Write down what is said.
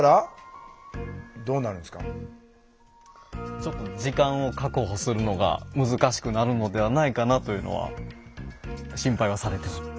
ちょっと時間を確保するのが難しくなるのではないかなというのは心配はされてます。